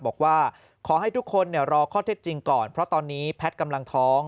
บอกว่าขอให้ทุกคนรอข้อเท็จจริงก่อนเพราะตอนนี้แพทย์กำลังท้อง